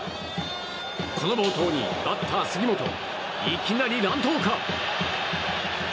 この暴投にバッター、杉本いきなり乱闘か。